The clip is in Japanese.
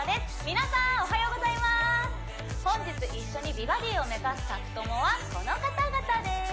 皆さんおはようございます本日一緒に美バディを目指す宅トモはこの方々です